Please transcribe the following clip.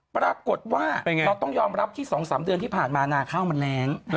ปรากฏว่าเราต้องยอมรับที่๒๓เดือนที่ผ่านมานาข้าวมันแรง